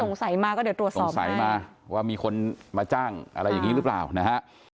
สงสัยมาก็เดี๋ยวตรวจสอบสงสัยมาว่ามีคนมาจ้างอะไรอย่างนี้หรือเปล่านะฮะ